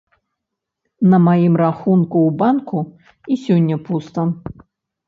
На маім рахунку ў банку і сёння пуста.